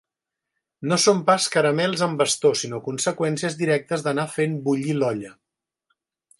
No són pas caramels amb bastó, sinó conseqüències directes d'anar fent bullir l'olla.